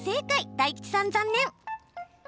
大吉さん残念！